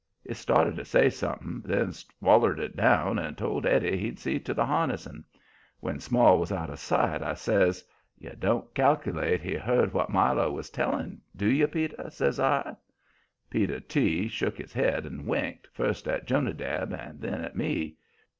He started to say something, then swallered it down, and told Eddie he'd see to the harnessing. When Small was out of sight, I says: "You don't cal'late he heard what Milo was telling, do you, Peter?" says I. Peter T. shook his head and winked, first at Jonadab and then at me.